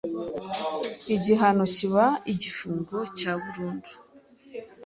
igihano kiba igifungo cya burundu.